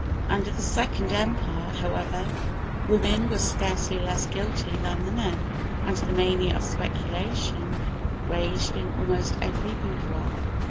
Under the second Empire, however, women were scarcely less guilty than the men, and the mania of speculation raged in almost every boudoir.